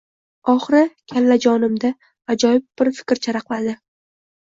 Oxiri, kallajonimda ajoyib bir fikr charaqladi…